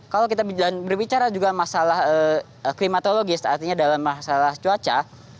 kalau kita berbicara juga masalah klimatologis artinya dalam masalah cuaca